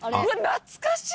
懐かしい！